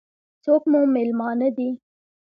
څوک مو مېلمانه دي؟